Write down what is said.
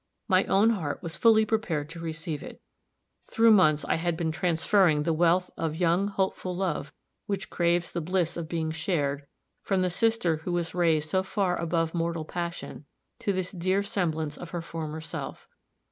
My own heart was fully prepared to receive it. Through months I had been transferring the wealth of young, hopeful love, which craves the bliss of being shared, from the sister who was raised so far above mortal passion, to this dear semblance of her former self.